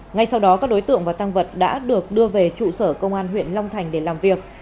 ngay sau đó các đối tượng và tăng vật đã được đưa về trụ sở công an huyện long thành để làm việc